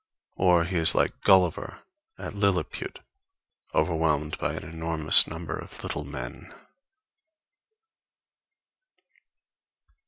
Or he is like Gulliver at Lilliput, overwhelmed by an enormous number of little men.